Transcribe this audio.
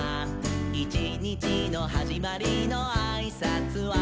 「いちにちのはじまりのあいさつは」